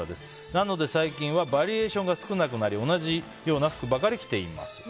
なので、最近はバリエーションが少なくなり同じような服ばかり着ています。